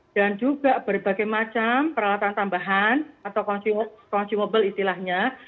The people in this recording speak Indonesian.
dan juga berbagai macam peralatan tambahan atau consumable istilahnya